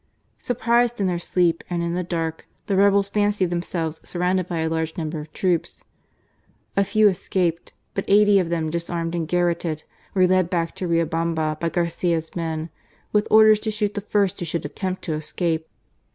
Surprised in their sleep and in the dark,, the rebels fancied themselves surrounded by a large number of troops. A few escaped, but eighty of them, disarmed and garrotted, were led back to Riobamba by Garcia's men with orders to shoot the first who should attempt to escape.